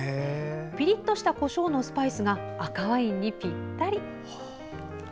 ピリッとしたこしょうのスパイスが赤ワインにぴったり。